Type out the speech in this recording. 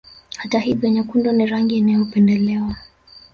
Hata hivyo nyekundu ni rangi iliyopendelewa